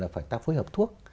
phải phối hợp thuốc